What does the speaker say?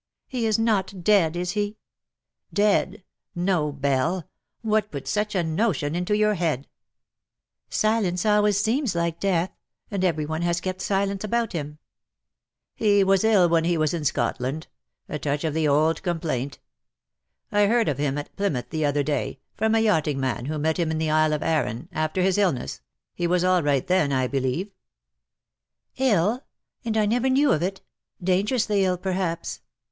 He is not dead, is he ?"" Dead !— no. Belle. What put such a notion into your head T' '' Silence always seems like death ; and every one has kept silence about him. " AND JOY A VANE THAT VEERS." 37 " He was ill while lie was in Scotland — a touch of the old complaint. I heard of him at Plymouth the other day, from a yachting man who met him in the Isle of Arran, after his illness — he was all right then, I believe." " 111 — and I never knew of it — dangerously ill, perhaps.